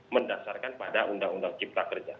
mendasarkan pada undang undang cipta kerja